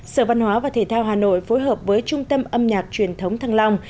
sở văn hóa và thể thao hà nội phối hợp với trung tâm âm nhạc truyền thống thăng long